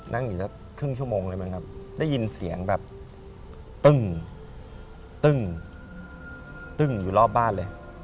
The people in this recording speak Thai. นั่งอยู่สักครึ่งชั่วโมงเลยมั้งครับได้ยินเสียงแบบตึ้งตึ้งตึ้งอยู่รอบบ้านเลย